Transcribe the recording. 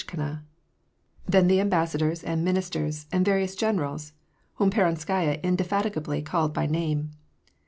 206 Naruishkina ; then the ambassadors and ministers, and various generals, whom Peronskaya indefatigably called by name.